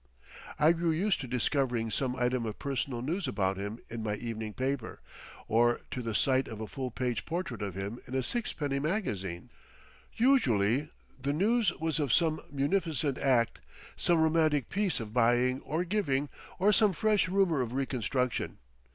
I grew used to discovering some item of personal news about him in my evening paper, or to the sight of a full page portrait of him in a sixpenny magazine. Usually the news was of some munificent act, some romantic piece of buying or giving or some fresh rumour of reconstruction.